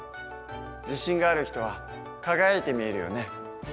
自信がある人は輝いて見えるよね。